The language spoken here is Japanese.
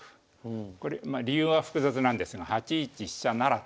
これまあ理由は複雑なんですが８一飛車不成。